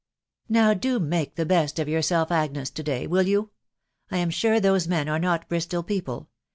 «*Now do mam? tfovbtet e* yoerwlf,. Agnesy to dae* will yon*? I am sure those men are net Bristol people..